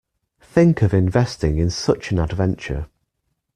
Think of investing in such an adventure.